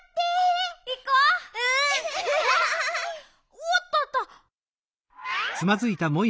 おっとっと。